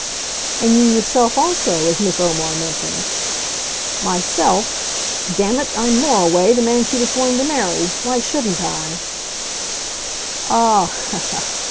"And you yourself also, as Miss Omar mentioned." "Myself? Damn it, I'm Moriway, the man she was going to marry. Why shouldn't I " "Ah h!"